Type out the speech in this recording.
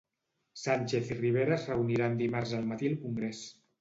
Sánchez i Rivera es reuniran dimarts al matí al Congrés.